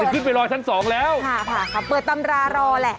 อ๋อข้างบนค่ะค่ะเปิดตำรารอแหละ